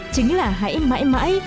chính là hãy mãi mãi